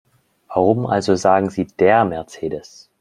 Warum also sagen Sie DER Mercedes?